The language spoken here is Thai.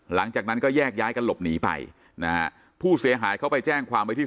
หลังจากนั้นก็แยกย้ายกันหลบหนีไปนะฮะผู้เสียหายเขาไปแจ้งความไว้ที่